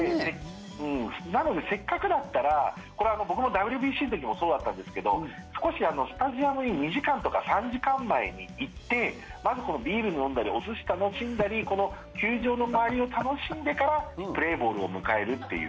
なので、せっかくだったら僕も、ＷＢＣの時もそうだったんですけど少し、スタジアムに２時間とか３時間前に行ってまず、このビールを飲んだりお寿司を楽しんだりこの球場の周りを楽しんでからプレーボールを迎えるっていう。